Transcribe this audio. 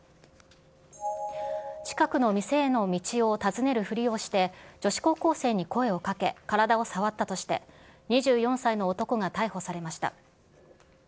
近くの店への道を尋ねるふりをして、女子高校生に声をかけ、体を触ったとして、２４歳の男が逮捕されました。